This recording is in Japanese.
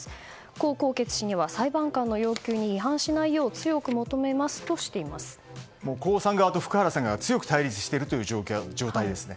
江宏傑氏には、裁判官の要求に違反しないよう江さん側と福原さんが強く対立している状態ですね。